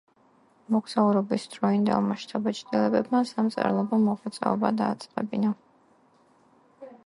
მოგზაურობის დროინდელმა შთაბეჭდილებებმა სამწერლობო მოღვაწეობა დააწყებინა.